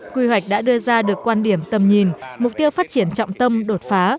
quy hoạch đã đưa ra được quan điểm tầm nhìn mục tiêu phát triển trọng tâm đột phá